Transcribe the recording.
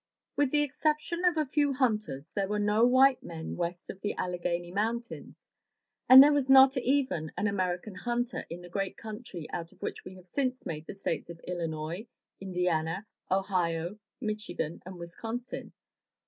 With the exception of a few hunters there were no white men west of the Allegheny ti W^ Mountains, and there was not even an American hunter in the great country out of which we have since made the States of Illinois, Indiana, Ohio, Michigan, and Wisconsin.